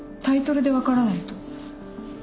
タイトルで分からないと。